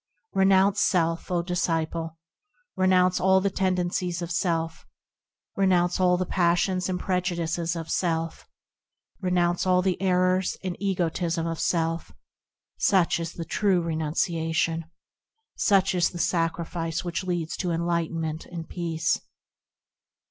Renounce self, O disciple ! Renounce all the tendencies of self; Renounce all the passions and prejudices of self; Renounce all the errors and egotism of self; Such is the true renunciation ; Such is the sacrifice which leads to enlightenment and peace.